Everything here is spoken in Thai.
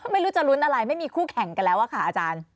ไม่รู้จะลุ้นอะไรไม่มีคู่แข่งกันแล้วอะค่ะอาจารย์